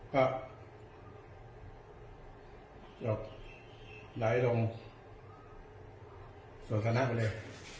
ครับหลายลงส่วนข้างหน้าไปเลย